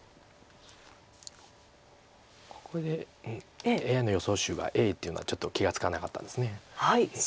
ここでＡＩの予想手がＡというのはちょっと気が付かなかったです。